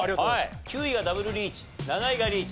９位がダブルリーチ７位がリーチ。